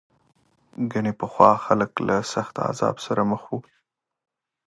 ګنې پخوا خلک له سخت عذاب سره مخ وو.